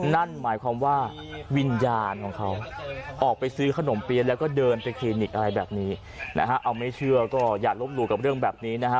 นั่นหมายความว่าวิญญาณของเขาออกไปซื้อขนมเปี๊ยะแล้วก็เดินไปคลินิกอะไรแบบนี้นะฮะเอาไม่เชื่อก็อย่าลบหลู่กับเรื่องแบบนี้นะฮะ